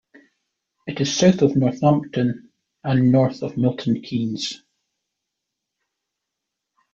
It is south of Northampton and north of Milton Keynes.